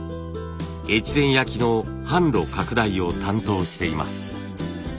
越前焼の販路拡大を担当しています。